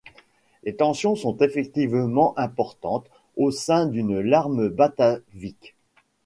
Les tensions sont effectivement importantes au sein d'une larme batavique.